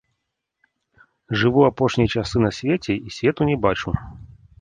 Жыву апошнія часы на свеце і свету не бачу.